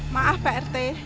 maaf pak rt